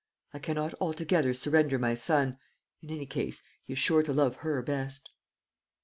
I cannot altogether surrender my son. In any case he is sure to love her best."